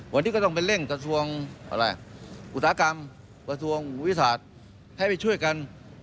วันนี้ก็ต้องไปเร่งกระทรวงอะไรอุตสาหกรรมกระทรวงวิทยาศาสตร์ให้ไปช่วยกัน